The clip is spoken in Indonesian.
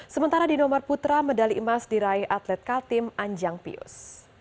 sementara di nomor putra medali emas diraih atlet kaltim anjang pius